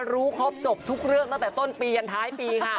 รู้ครบจบทุกเรื่องตั้งแต่ต้นปียันท้ายปีค่ะ